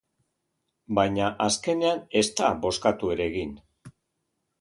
Baina azkenean ez da bozkatu ere egin.